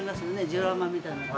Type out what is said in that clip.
ジオラマみたいな。